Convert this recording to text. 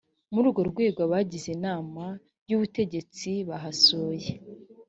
muri urwo rwego abagize inama y ubutegetsi bahasuye